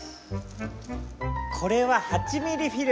これは８ミリフィルム。